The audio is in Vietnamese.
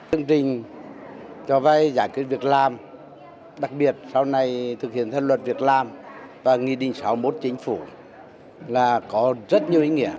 tương trình cho vay giải quyết việc làm đặc biệt sau này thực hiện theo luật việc làm và nghị định sáu mươi một chính phủ là có rất nhiều ý nghĩa